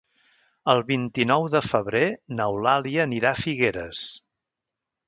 El vint-i-nou de febrer n'Eulàlia anirà a Figueres.